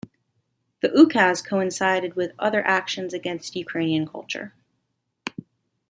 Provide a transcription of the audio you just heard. The ukaz coincided with other actions against Ukrainian culture.